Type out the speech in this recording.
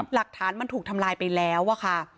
หลักฐานมันถูกทำลายไปแล้วอะค่ะ